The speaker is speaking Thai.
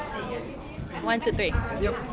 สวัสดีครับ